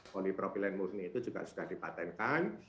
konipropilen murni itu juga sudah dipatenkan